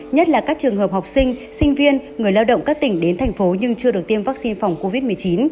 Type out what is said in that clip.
nhất là các trường hợp học sinh sinh viên người lao động các tỉnh đến thành phố nhưng chưa được tiêm vaccine phòng covid một mươi chín